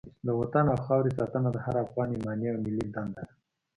د وطن او خاورې ساتنه د هر افغان ایماني او ملي دنده ده.